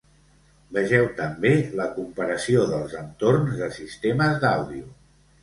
Vegeu també la comparació dels entorns de sistemes d'àudio.